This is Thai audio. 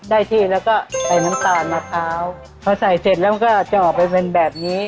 ได้ที่แล้วก็ใส่น้ำตาลมะพร้าวพอใส่เสร็จแล้วมันก็จะออกไปเป็นแบบนี้